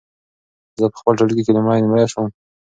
زه په خپل ټولګي کې لومړی نمره سوم.